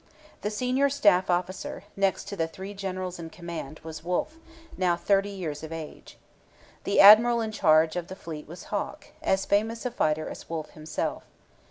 The senior staff officer, next to the three generals in command, was Wolfe, now thirty years of age. The admiral in charge of the fleet was Hawke, as famous a fighter as Wolfe himself.